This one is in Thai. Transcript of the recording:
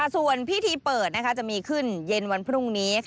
ส่วนพิธีเปิดจะมีขึ้นเย็นวันพรุ่งนี้